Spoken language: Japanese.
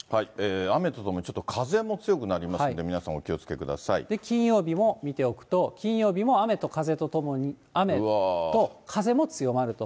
雨とともにちょっと風も強くなりますので、金曜日も見ておくと、金曜日も雨と風とともに、雨と風も強まると。